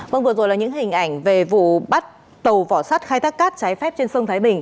vâng vừa rồi là những hình ảnh về vụ bắt tàu vỏ sắt khai tác cát